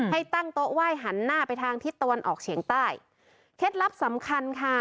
ให้ตั้งโต๊ะไหว้หันหน้าไปทางทิศตะวันออกเฉียงใต้เคล็ดลับสำคัญค่ะ